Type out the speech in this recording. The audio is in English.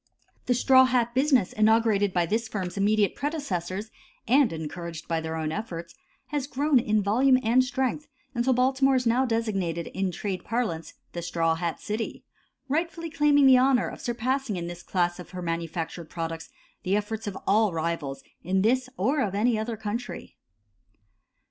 The straw hat business inaugurated by this firm's immediate predecessors, and encouraged by their own efforts, has grown in volume and strength until Baltimore is now designated in trade parlance "the straw hat city," rightfully claiming the honor of surpassing in this class of her manufactured products the efforts of all rivals of this or of any other country.